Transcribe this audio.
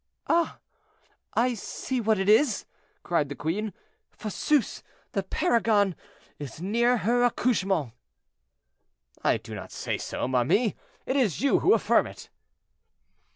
"Ah! I see what it is," cried the queen, "Fosseuse, the paragon, is near her accouchement." "I do not say so, ma mie; it is you who affirm it."